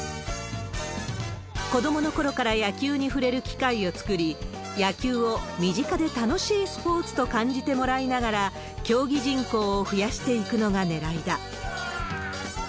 子どものころから野球に触れる機会を作り、野球を身近で楽しいスポーツと感じてもらいながら、競技人口を増やしていくのがねらいだ。